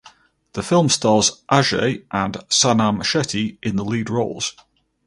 The film stars Ajay and Sanam Shetty in the lead roles.